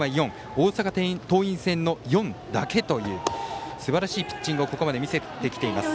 大阪桐蔭戦の４だけというすばらしいピッチングをここまで見せてきています。